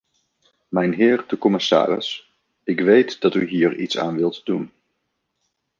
Mijnheer de commissaris, ik weet dat u hier iets aan wilt doen.